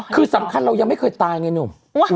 คือสำคัญเรายังไม่เคยตายไงหนุ่ม